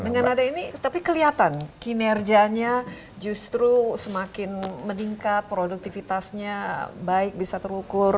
dengan ada ini tapi kelihatan kinerjanya justru semakin meningkat produktivitasnya baik bisa terukur